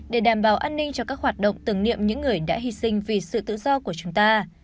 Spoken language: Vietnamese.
để đảm bảo an ninh cho các hoạt động tưởng niệm những người đã hy sinh vì sự tự do của chúng ta